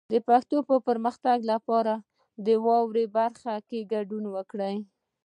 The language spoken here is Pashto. د پښتو پرمختګ لپاره په واورئ برخه کې ګډون وکړئ.